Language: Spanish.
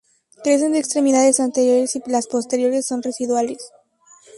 Carecen de extremidades anteriores y las posteriores son residuales.